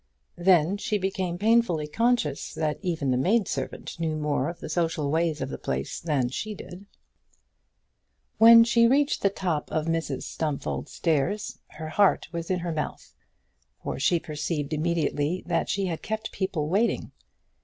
Then she became painfully conscious that even the maid servant knew more of the social ways of the place than did she. When she reached the top of Mrs Stumfold's stairs, her heart was in her mouth, for she perceived immediately that she had kept people waiting.